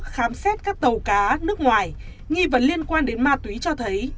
khám xét các tàu cá nước ngoài nghi vấn liên quan đến ma túy cho thấy